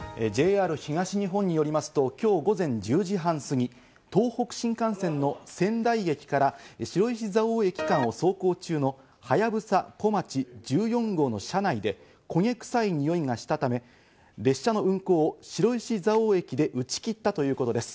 ＪＲ東日本によりますと、今日午前１０時半過ぎ、東北新幹線の仙台駅から白石蔵王駅間を走行中のはやぶさ・こまち１４号の車内で焦げ臭いにおいがしたため、列車の運行を白石蔵王駅で打ち切ったということです。